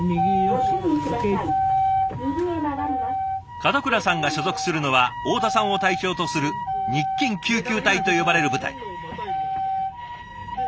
門倉さんが所属するのは大田さんを隊長とする日勤救急隊と呼ばれる部隊。